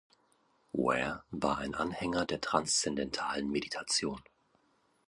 Ware war ein Anhänger der Transzendentalen Meditation.